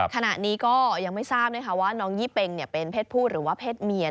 ขณะนี้ก็ยังไม่ทราบนะคะว่าน้องยี่เป็งเป็นเพศผู้หรือว่าเพศเมีย